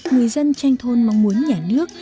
người dân tranh thôn mong muốn nhà nước